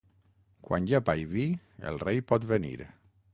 Quan hi ha pa i vi el rei pot venir.